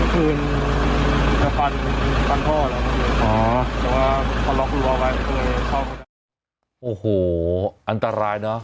ฟันฟันพ่อแหละอ๋อแต่ว่าเขาลองคุยว่าว่าโอ้โหอันตรายเนอะ